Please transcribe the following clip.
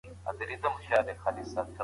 د ولسي جرګي غړي د خلګو استازي دي.